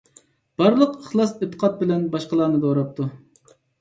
بارلىق ئىخلاس - ئېتىقادى بىلەن باشقىلارنى دوراپتۇ.